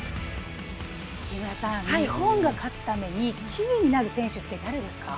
日本が勝つためにキーになる選手って誰ですか？